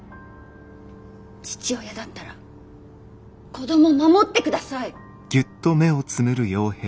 父親だったら子供守ってください。